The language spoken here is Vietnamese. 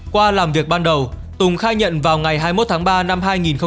qua làm việc ban đầu tùng khai nhận vào ngày hai mươi một tháng ba năm hai nghìn hai mươi